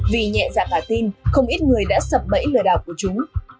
vì nhẹ dạng và tin không ít người đã sập bẫy lừa đảo của chúng